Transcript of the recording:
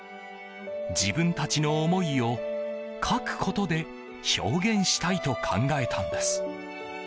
自分たちの思いを書くことで表現したいと考えたんです。